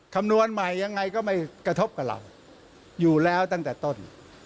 คำนวณใหม่ยังไงก็ไม่กระทบกับเราอยู่แล้วตั้งแต่ต้น